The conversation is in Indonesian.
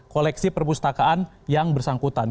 koleksi perpustakaan yang bersangkutan